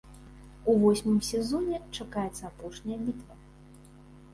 У восьмым сезоне чакаецца апошняя бітва.